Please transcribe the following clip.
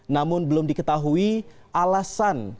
namun belum diketahui alasan